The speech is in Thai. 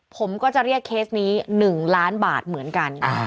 ผมก็จะเรียกเคสนี้๑ล้านบาทเหมือนกัน